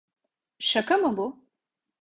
Şaka mı bu?